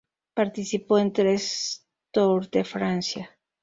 Participó en tres Tour de Francia.